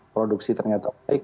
produksi ternyata baik